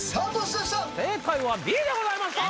正解はＢでございました！